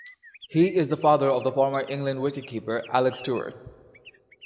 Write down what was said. He is the father of the former England wicket-keeper, Alec Stewart.